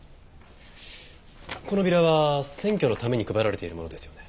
このビラは選挙のために配られているものですよね？